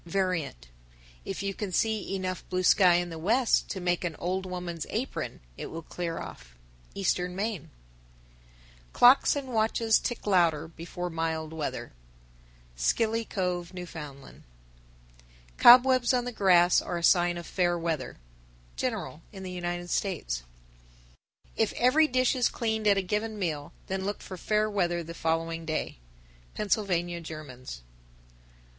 _ 968. Variant: If you can see enough blue sky in the west to make an old woman's apron, it will clear off. Eastern Maine. 969. Clocks and watches tick louder before mild weather. Scilly Cove, N.F. 970. Cobwebs on the grass are a sign of fair weather. General in the United States. 971. If every dish is cleaned at a given meal, then look for fair weather the following day. _Pennsylvania Germans.